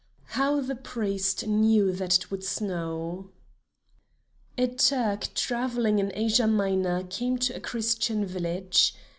HOW THE PRIEST KNEW THAT IT WOULD SNOW A Turk travelling in Asia Minor came to a Christian village.